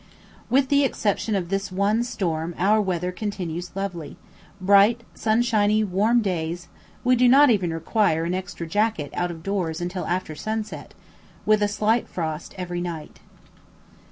With the exception of this one storm our weather continues lovely; bright, sunshiny, warm days we do not even require an extra jacket out of doors until after sunset with a slight frost every night.